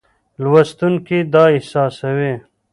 لوستونکی دا احساسوي.